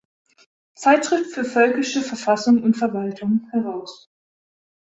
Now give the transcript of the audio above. Zeitschrift für völkische Verfassung und Verwaltung" heraus.